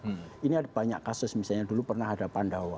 tapi sebenarnya banyak kasus misalnya dulu pernah ada pandawa